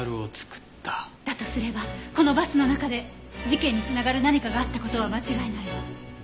だとすればこのバスの中で事件に繋がる何かがあった事は間違いないわ。